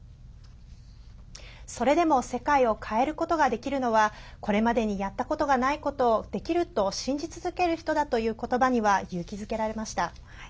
それでも世界を変えることができるのはこれまでにやったことがないことをできると信じ続けられる人だという言葉には勇気づけられました。